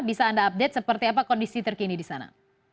bisa anda update seperti apa kondisi terkini di sana